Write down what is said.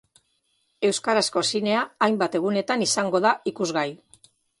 Euskarazko zinea hainbat egunetan izango da ikusgai.